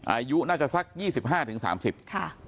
อายุน่าจะสัก๒๕๓๐ค่ะ